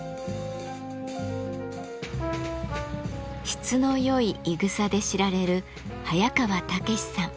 質のよいいぐさで知られる早川猛さん。